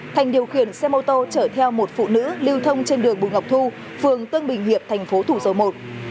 thành điều khiển xe mô tô chở theo một phụ nữ lưu thông trên đường bùi ngọc thu phường tân bình hiệp thành phố thủ dầu một